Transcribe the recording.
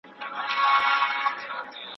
بریالیو خلکو پخوا ډېره مطالعه کړې وه.